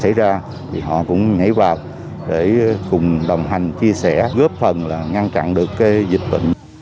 xảy ra thì họ cũng nhảy vào để cùng đồng hành chia sẻ góp phần là ngăn chặn được cái dịch bệnh